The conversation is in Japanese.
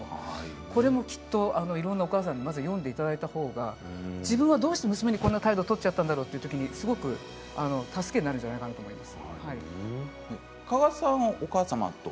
これもきっといろんなお母さんに読んでいただいたほうが、自分はどうして娘にこんな態度を取ってしまったんだろうとすごく助けになるんじゃないかなと思います。